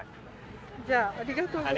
じゃあありがとうございます。